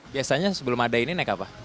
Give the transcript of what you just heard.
biasanya sebelum ada ini naik apa